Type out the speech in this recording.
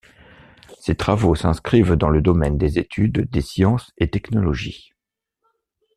Ses travaux s'inscrivent dans le domaine des études des sciences et technologies.